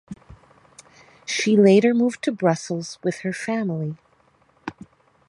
She later moved to Brussels with her family.